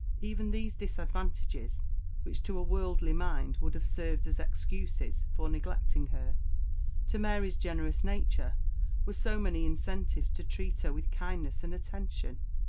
Even these disadvantages, which, to a worldly mind, would have served as excuses for neglecting her, to Mary's generous nature were so many incentives to treat her with kindness and attention.